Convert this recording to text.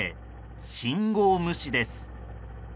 信号無視です。